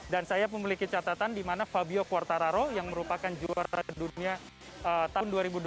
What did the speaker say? dan saya memiliki catatan di mana fabio quartararo yang merupakan juara dunia tahun dua ribu dua puluh satu